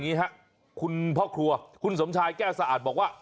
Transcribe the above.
อันนี้คุณครูสำชายแก้สะอาดบอกว่า